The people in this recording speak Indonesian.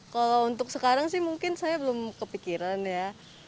kalau untuk sekarang sih mungkin saya belum kepikiran ya